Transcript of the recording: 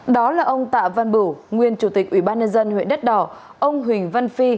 đó là ông tạ văn bửu nguyên chủ tịch ủy ban nhân dân huyện đất đỏ ông huỳnh văn phi